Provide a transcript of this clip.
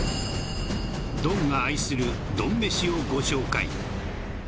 ドンが愛するドン飯をご紹介